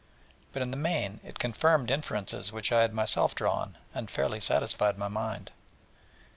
but in the main it confirmed inferences which I had myself drawn, and fairly satisfied my mind.